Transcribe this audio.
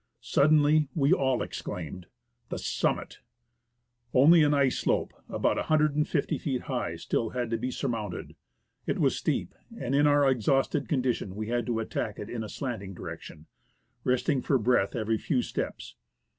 Suddenly we all exclaimed: "The summit!" Only an ice slope about 150 feet high had still to be surmounted. It was steep, and in our exhausted condition we had to attack it in a slanting direction, resting for breath every few steps.